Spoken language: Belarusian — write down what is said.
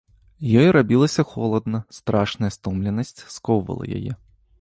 Ёй рабілася холадна, страшная стомленасць скоўвала яе.